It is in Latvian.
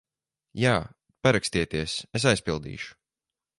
Jā. Parakstieties, es aizpildīšu.